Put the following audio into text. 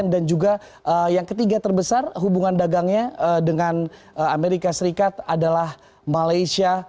dan juga yang ketiga terbesar hubungan dagangnya dengan amerika serikat adalah malaysia